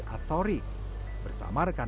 atori bersama rekan